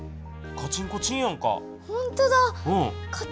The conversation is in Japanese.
カチンコチンやんか。